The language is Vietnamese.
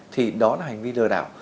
thì đó là hành vi lừa đảo